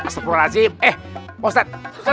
seberhasil eh posat